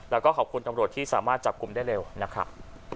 แล้วก็ขอบคุณตำรวจที่สามารถจับกลุ่มได้เร็วนะครับ